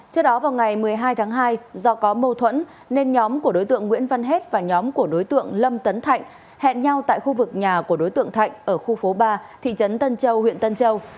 trước đó vào ngày một mươi hai tháng hai do có mâu thuẫn nên nhóm của đối tượng nguyễn văn hết và nhóm của đối tượng lâm tấn thạnh hẹn nhau tại khu vực nhà của đối tượng thạnh ở khu phố ba thị trấn tân châu huyện tân châu